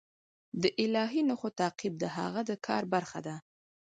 د الهي نښو تعقیب د هغه د کار برخه ده.